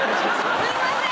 すいません